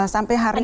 sampai hari ini